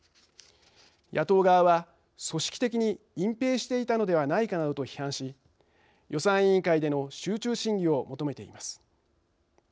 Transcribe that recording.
野党側は、組織的に隠蔽していたのではないかなどと批判し予算委員会での集中審議を求めています。